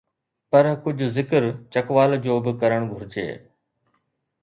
پر ڪجهه ذڪر چکوال جو به ڪرڻ گهرجي.